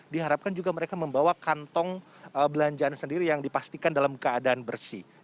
diharapkan juga mereka membawa kantong belanjaan sendiri yang dipastikan dalam keadaan bersih